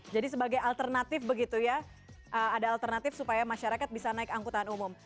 jadi sebagai alternatif begitu ya ada alternatif supaya masyarakat bisa naik angkutan umum